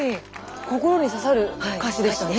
心に刺さる歌詞でしたね。